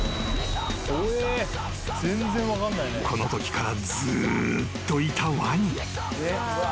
［このときからずっといたワニ］